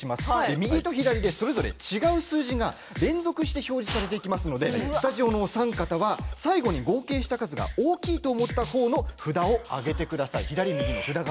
右と左でそれぞれ違う数字が連続して表示されていきますのでスタジオのお三方は最後に合計した数が大きいと思ったほうの札を上げてください。